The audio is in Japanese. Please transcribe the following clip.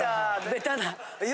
ベタな。